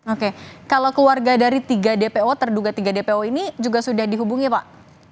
oke kalau keluarga dari tiga dpo terduga tiga dpo ini juga sudah dihubungi pak